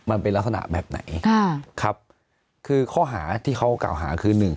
มันเป็นลักษณะแบบไหนค่ะครับคือข้อหาที่เขากล่าวหาคือหนึ่ง